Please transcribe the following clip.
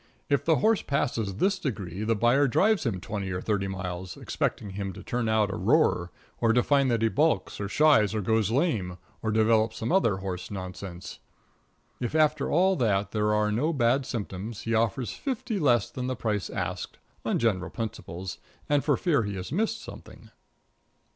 If the horse passes this degree the buyer drives him twenty or thirty miles, expecting him to turn out a roarer, or to find that he balks, or shies, or goes lame, or develops some other horse nonsense. If after all that there are no bad symptoms, he offers fifty less than the price asked, on general principles, and for fear he has missed something.